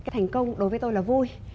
thành công đối với tôi là vui